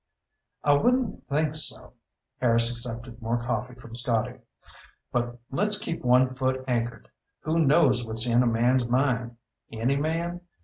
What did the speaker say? "I wouldn't think so." Harris accepted more coffee from Scotty. "But let's keep one foot anchored. Who knows what's in a man's mind? Any man?